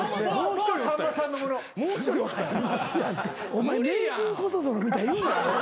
お前名人こそ泥みたいに言うな。